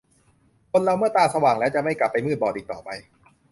คนเราเมื่อตาสว่างแล้ว จะไม่กลับไปมืดบอดอีกต่อไป